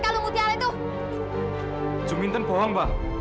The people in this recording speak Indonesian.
kerang mutiara itu ciumin dan pohon mbak sulika arpa